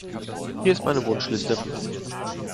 Hier ist meine Wunschliste.